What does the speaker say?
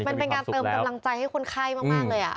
มันเป็นการเติมกำลังใจให้คนไข้มากเลย